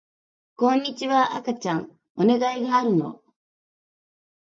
こんにちは赤ちゃんお願いがあるの